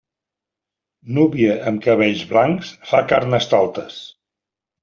Núvia amb cabells blancs fa Carnestoltes.